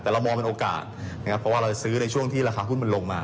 แต่เรามองเป็นโอกาสนะครับเพราะว่าเราซื้อในช่วงที่ราคาหุ้นมันลงมา